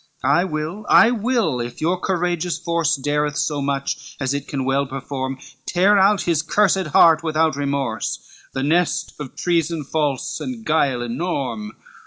LXXI "I will, I will, if your courageous force, Dareth so much as it can well perform, Tear out his cursed heart without remorse, The nest of treason false and guile enorm."